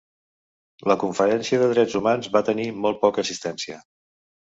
La Conferència de Drets Humans va tenir molt poca assistència.